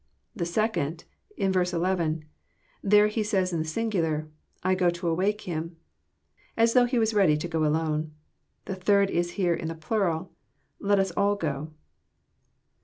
— The second, in verse 11: there He says in the singular, ''I go to awake him; "as though He was ready to go alone.— The third is here in the plursd, " Let us al' go.